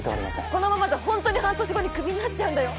このままじゃホントに半年後にクビになっちゃうんだよ